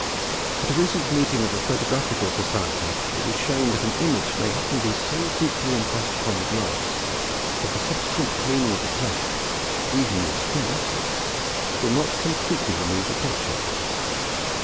At a recent meeting of the Photographical Society it was shown that an image may often be so deeply impressed on the glass that the subsequent cleaning of the plate, even with strong acids, will not completely remove the picture.